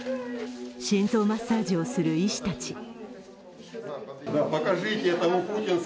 心臓マッサージをする医師たち。